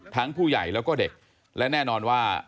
ผู้ใหญ่แล้วก็เด็กและแน่นอนว่า